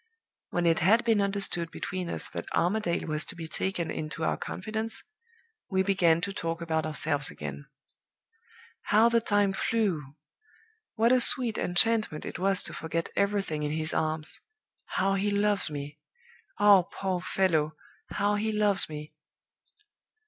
"When it had been understood between us that Armadale was to be taken into our confidence, we began to talk about ourselves again. How the time flew! What a sweet enchantment it was to forget everything in his arms! How he loves me! ah, poor fellow, how he loves me!